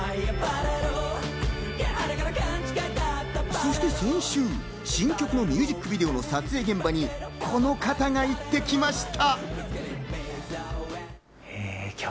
そして先週、新曲のミュージックビデオの撮影現場にこの方が行ってきました。